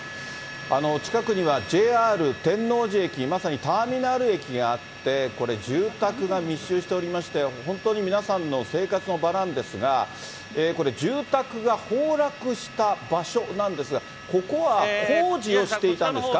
近くにはＪＲ天王寺駅、まさにターミナル駅があって、これ、住宅が密集しておりまして、本当に皆さんの生活の場なんですが、これ、住宅が崩落した場所なんですが、ここは工事をしていたんですか？